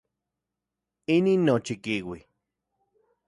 Inin nochikiui.